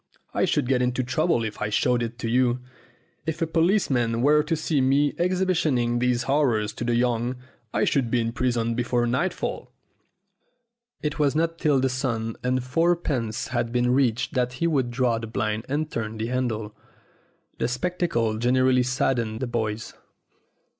I should get into trouble if I showed you it. If a policeman were to see me exhibiting these horrors to the young, I should be in prison before nightfall." It was not till the sum of fourpence had been reached that he would draw up the blind and turn the handle. The spectacle generally saddened the boys.